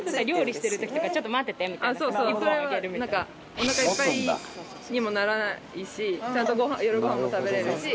おなかいっぱいにもならないしちゃんと夜ごはんも食べられるし。